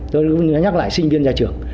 tôi nhắc lại sinh viên gia trưởng